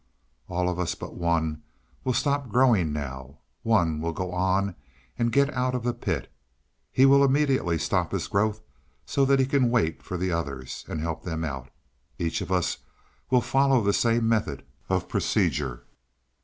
"All of us but one will stop growing now; one will go on and get out of the pit. He will immediately stop his growth so that he can wait for the others and help them out. Each of us will follow the same method of procedure."